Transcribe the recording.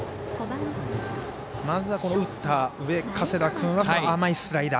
まずは打った上加世田君は甘いスライダー。